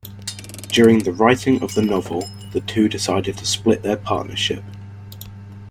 During the writing of the novel, the two decided to split their partnership.